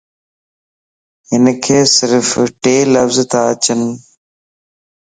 ھنک صرف ٽي لفظ تا اچين